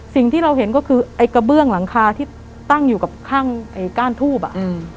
สิ่งที่เราเห็นก็คือไอ้กระเบื้องหลังคาที่ตั้งอยู่กับข้างไอ้ก้านทูบอ่ะ